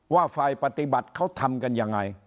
ว่าฝ่ายปฏิบัติเขาทำกันยังไง